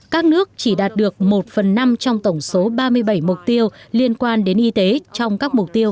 các nước chỉ đạt được một phần năm trong tổng số ba mươi bảy mục tiêu liên quan đến y tế trong các mục tiêu